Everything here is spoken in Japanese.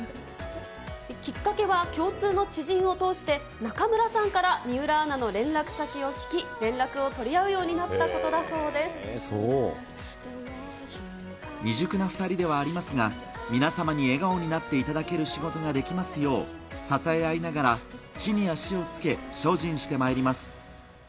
きっかけは共通の知人を通して、中村さんから水卜アナの連絡先を聞き、連絡を取り合うようになっ未熟な２人ではありますが、皆様に笑顔になっていただける仕事ができますよう、支え合いながら、地に足をつけ、精進してまいります。